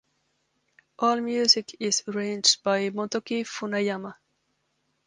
All music is arranged by Motoki Funayama.